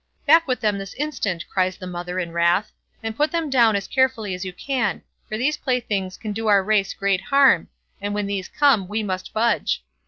"Back with them this instant", cries the mother in wrath, "and put them down as carefully as you can, for these playthings can do our race great harm, and when these come we must budge."